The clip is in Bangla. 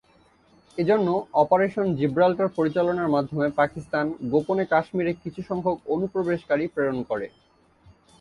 এজন্য অপারেশন জিব্রাল্টার পরিচালনার মাধ্যমে পাকিস্তান গোপনে কাশ্মীরে কিছুসংখ্যক অনুপ্রবেশকারী প্রেরণ করে।